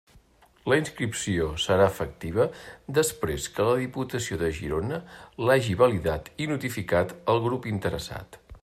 La inscripció serà efectiva després que la Diputació de Girona l'hagi validat i notificat al grup interessat.